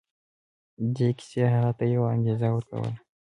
دې کيسې هغه ته يوه انګېزه ورکوله.